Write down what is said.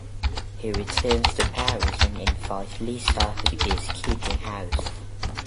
He returns to Paris and invites Lisa who is keeping house.